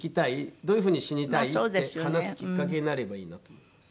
どういうふうに死にたい？って話すきっかけになればいいなと思います。